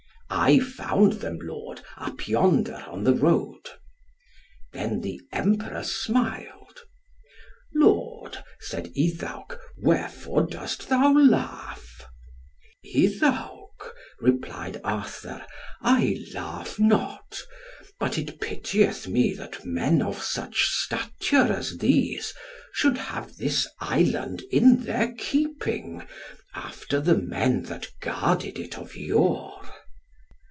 "I found them, lord, up yonder on the road." Then the Emperor smiled. "Lord," said Iddawc, "wherefore dost thou laugh?" "Iddawc," replied Arthur, "I laugh nor; but it pitieth me that men of such stature as these should have this Island in their keeping, after the men that guarded it of yore."